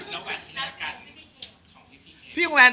แล้วแหวนที่นี่กัน